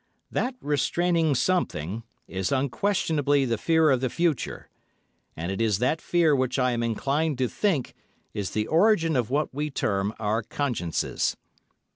That restraining something is unquestionably the fear of the Future, and it is that fear which I am inclined to think is the origin of what we term our consciences.